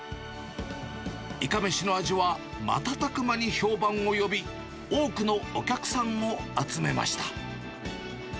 いかめしの味は、瞬く間に評判を呼び、多くのお客さんを集めました。